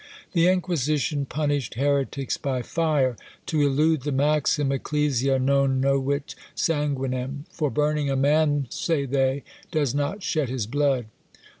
The Inquisition punished heretics by fire, to elude the maxim, "Ecclesia non novit sanguinem;" for burning a man, say they, does not shed his blood.